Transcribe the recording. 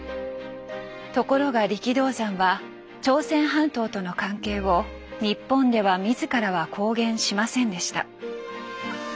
ところが力道山は朝鮮半島との関係を日本では自らは公言しませんでした。